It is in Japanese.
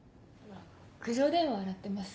苦情電話洗ってます。